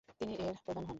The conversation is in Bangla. তিনি এর প্রধান হন।